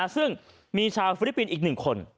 ซึ่งมีชาวฟิลิปปินส์อีก๑คน